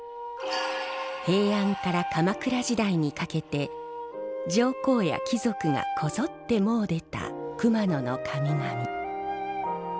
平安から鎌倉時代にかけて上皇や貴族がこぞって詣でた熊野の神々。